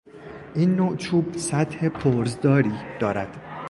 این نوع چوب سطح پرزداری دارد.